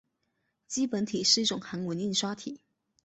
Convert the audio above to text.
基本体是一种韩文印刷体。